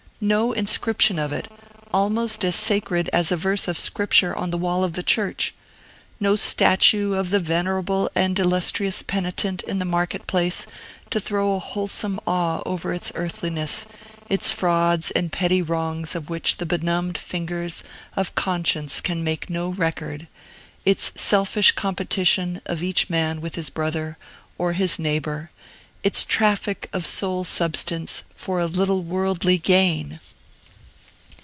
No inscription of it, almost as sacred as a verse of Scripture on the wall of the church! No statue of the venerable and illustrious penitent in the market place to throw a wholesome awe over its earthliness, its frauds and petty wrongs of which the benumbed fingers of conscience can make no record, its selfish competition of each man with his brother or his neighbor, its traffic of soul substance for a little worldly gain!